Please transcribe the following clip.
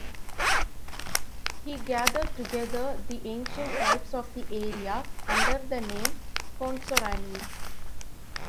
He gathered together the ancient tribes of the area under the name Consorani.